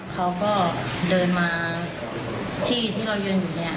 เขาก็เดินมาที่ที่เรายืนอยู่เนี่ย